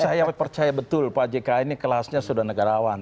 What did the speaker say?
saya percaya betul pak jk ini kelasnya sudah negarawan